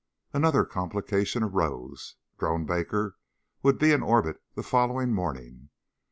Another complication arose. Drone Baker would be in orbit the following morning.